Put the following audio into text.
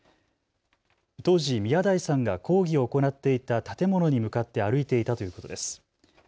当時、宮台さんが講義を行っていた建物に向かって歩いていたということです。